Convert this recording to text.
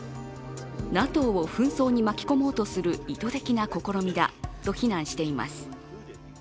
ＮＡＴＯを紛争に巻き込もうとする意図的な試みだと非難しています。